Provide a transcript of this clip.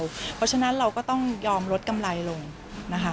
เพราะฉะนั้นเราก็ต้องยอมลดกำไรลงนะคะ